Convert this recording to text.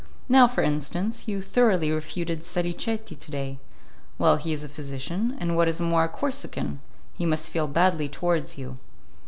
Now, for instance, you thoroughly refuted Salicetti to day. Well, he is a physician, and what is more a Corsican; he must feel badly towards you."